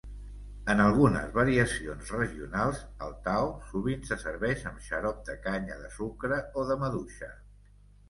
En algunes variacions regionals, el taho sovint se serveix amb xarop de canya de sucre o de maduixa.